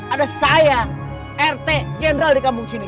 ada saya rt general di kampung sini